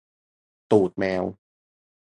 ตูดแมว